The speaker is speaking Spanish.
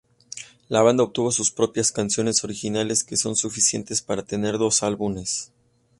La banda obtuvo sus propias canciones originales que son suficientes para tener dos álbumes.